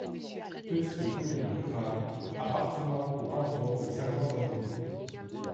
Petite commune rurale appartenant au canton de Saint-Jean-d'Angély.